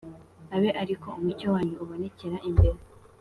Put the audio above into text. Abe ari ko umucyo wanyu ubonekera imbere